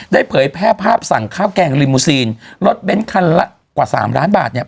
เผยแพร่ภาพสั่งข้าวแกงลิมมูซีนรถเบ้นคันละกว่าสามล้านบาทเนี่ย